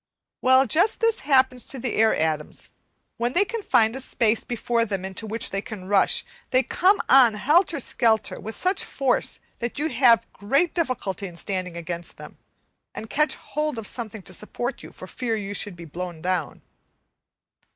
Well, just this happens to the air atoms; when they find a space before them into which they can rush, they come on helter skelter, with such force that you have great difficulty in standing against them, and catch hold of something to support you for fear you should be blown down.